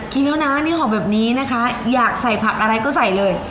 กินแล้วนะนี่หอมแบบนี้นะคะอยากใส่ผักอะไรก็ใส่เลย